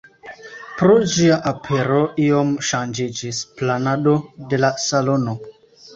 Pro ĝia apero iom ŝanĝiĝis planado de la salono.